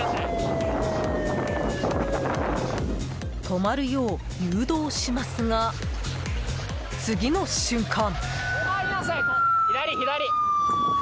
止まるよう誘導しますが次の瞬間。